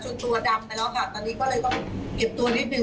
ตัวดำไปแล้วค่ะตอนนี้ก็เลยต้องเก็บตัวนิดนึ